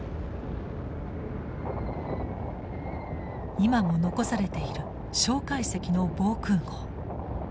今も残されている介石の防空壕。